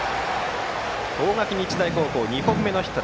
大垣日大高校、２本目のヒット。